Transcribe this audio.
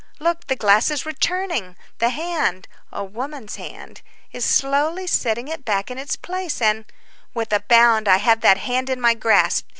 look! the glass is returning; the hand—a woman's hand—is slowly setting it back in its place, and— With a bound I have that hand in my grasp.